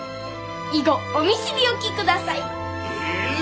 以後お見知り置きください。